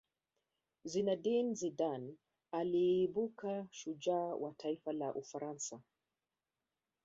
zinedine zidane aliibuka shujaa wa taifa la ufaransa